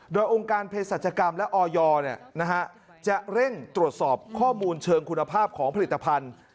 โดยองค์การเพศรัชกรรมและออยจะเร่งตรวจสอบข้อมูลเชิงคุณภาพของผลิตภัณฑ์